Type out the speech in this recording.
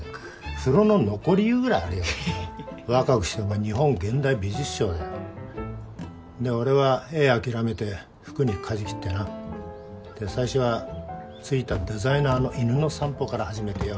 風呂の残り湯ぐらいありやがってな若くして日本現代美術賞だよで俺は絵諦めて服に舵切ってなで最初はついたデザイナーの犬の散歩から始めてよ